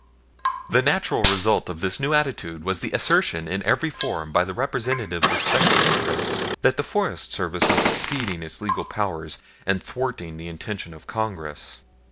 The natural result of this new attitude was the assertion in every form by the representatives of special interests that the Forest Service was exceeding its legal powers and thwarting the intention of Congress.